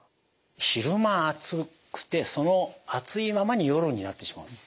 昼間暑くてその暑いままに夜になってしまうんですよ。